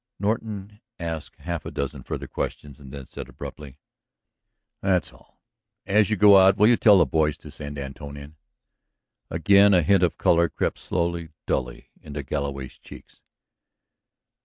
Norton asked half a dozen further questions and then said abruptly: "That's all. As you go out will you tell the boys to send Antone in?" Again a hint of color crept slowly, dully, into Galloway's cheeks.